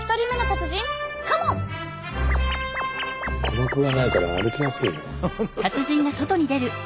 鼓膜がないから歩きやすいね。